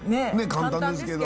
簡単ですけど。